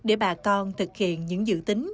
và để bà con thực hiện những dự tính